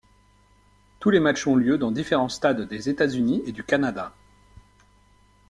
Tous les matchs ont lieu dans différents stades des États-Unis et du Canada.